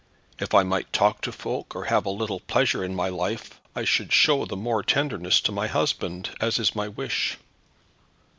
If I might talk to folk, or have a little pleasure in my life, I should show the more tenderness to my husband, as is my wish.